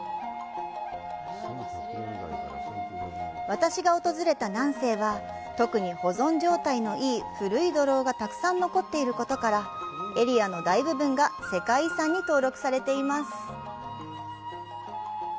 私が訪れた「南靖」は、特に保存状態のいい古い土楼がたくさん残っていることから、エリアの大部分が世界遺産に登録されています。